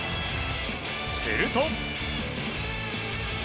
すると。